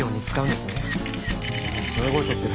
すごい撮ってる。